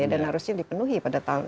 dan harusnya dipenuhi pada tahun